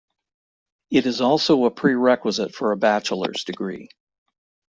It is also a prerequisite for a bachelor's degree.